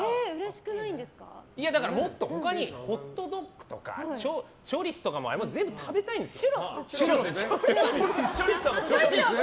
もっと他にホットドッグとかチョリスとかあれも全部食べたいんですよ。